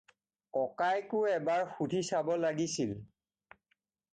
ককাইকো এবাৰ সুধি চাব লাগিছিল।